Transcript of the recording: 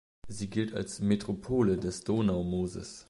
Sie gilt als „Metropole“ des Donaumooses.